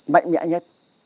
mạnh mẽ nhất